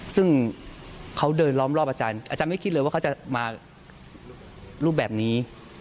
ซึ่งเขาเดินล้อมรอบอาจารย์อาจารย์ไม่คิดเลยว่าเขาจะมารูปแบบนี้